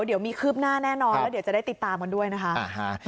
เดี๋ยวมีคืบหน้าแน่นอนแล้วเดี๋ยวจะได้ติดตามกันด้วยนะคะ